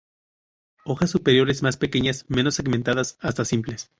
Hojas superiores más pequeñas, menos segmentadas hasta simples.